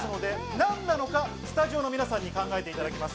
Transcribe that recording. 何なのかスタジオの皆さんに考えていただきます。